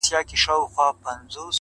پاڅه چي ځو ترې ـ ه ياره ـ